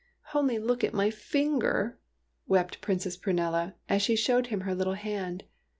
" Only look at my finger," wept Princess Prunella, as she showed him her little hand.